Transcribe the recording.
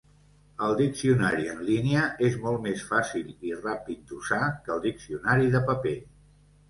El diccionari en línia és molt més fàcil i ràpid d'usar que el diccionari de paper.